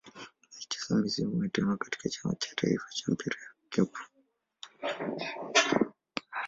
Alicheza misimu mitano katika Chama cha taifa cha mpira wa kikapu.